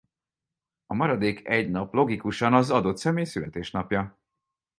A maradék egy nap logikusan az adott személy születésnapja.